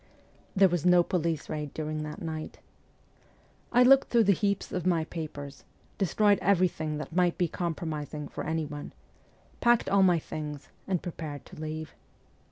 There was no police raid during that night. I looked through the heaps of my papers, destroyed everything that might be compromising for anyone, packed all my things, and prepared to leave.